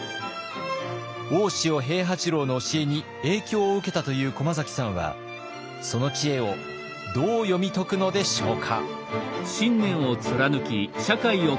大塩平八郎の教えに影響を受けたという駒崎さんはその知恵をどう読み解くのでしょうか？